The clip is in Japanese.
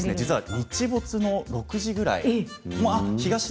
日没の６時ぐらいです。